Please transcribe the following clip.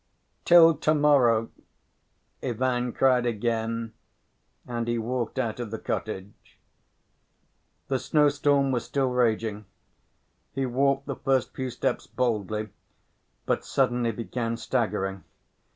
"Till to‐morrow!" Ivan cried again, and he walked out of the cottage. The snowstorm was still raging. He walked the first few steps boldly, but suddenly began staggering.